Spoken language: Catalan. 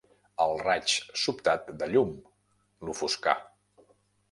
El raig sobtat de llum l'ofuscà.